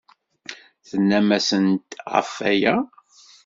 Tennam-asent ɣef waya?